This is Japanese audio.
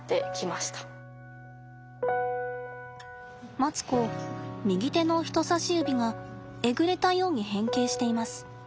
マツコ右手の人さし指がえぐれたように変形しています。